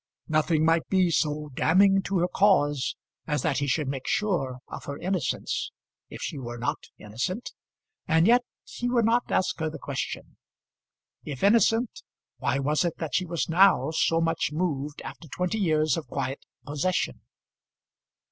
Nothing might be so damning to her cause as that he should make sure of her innocence, if she were not innocent; and yet he would not ask her the question. If innocent, why was it that she was now so much moved, after twenty years of quiet possession?